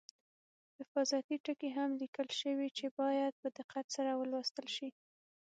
حفاظتي ټکي هم لیکل شوي چې باید په دقت سره ولوستل شي.